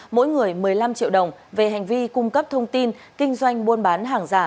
mỗi người một mươi năm triệu đồng về hành vi cung cấp thông tin kinh doanh buôn bán hàng giả